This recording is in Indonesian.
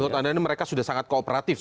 menurut anda ini mereka sudah sangat kooperatif